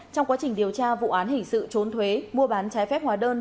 trong quá trình điều tra vụ án hình sự trốn thuế mua bán trái phép hóa đơn